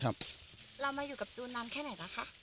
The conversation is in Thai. เรามาอยู่กับจูนนานแค่ไหนแล้วคะ